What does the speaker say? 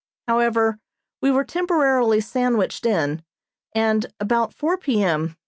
However, we were temporarily sandwiched in, and, about four P. M.